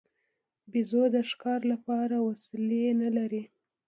بیزو د ښکار لپاره وسلې نه لري.